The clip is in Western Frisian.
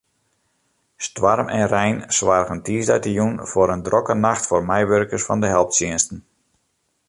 Stoarm en rein soargen tiisdeitejûn foar in drokke nacht foar meiwurkers fan de helptsjinsten.